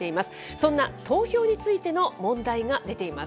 そんな投票についての問題が出ています。